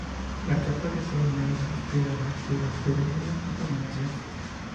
La capa de color negro de las piedras antiguas se debe a la contaminación.